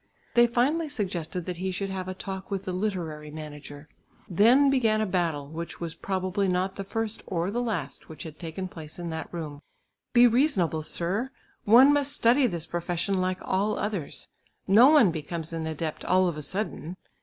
They finally suggested that he should have a talk with the literary manager. Then began a battle which was probably not the first or the last which had taken place in that room. "Be reasonable, sir; one must study this profession like all others. No one becomes an adept all of a sudden.